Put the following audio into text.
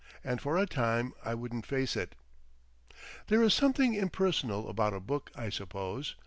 And for a time I wouldn't face it. There is something impersonal about a book, I suppose.